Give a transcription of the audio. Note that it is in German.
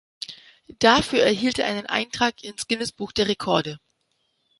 Dafür erhielt er einen Eintrag ins Guinness-Buch der Rekorde.